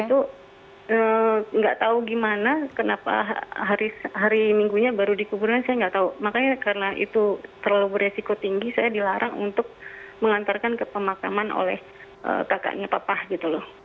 itu nggak tahu gimana kenapa hari minggunya baru di kuburan saya nggak tahu makanya karena itu terlalu beresiko tinggi saya dilarang untuk mengantarkan ke pemakaman oleh kakaknya papa gitu loh